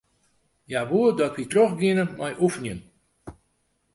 Hja woe dat wy trochgiene mei oefenjen.